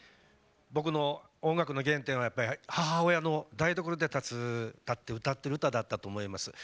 僕の音楽の原点はやっぱり母親の台所で立って歌う歌だったと思います。